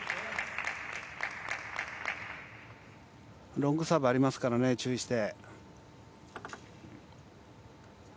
ロングサーブありますから注意して。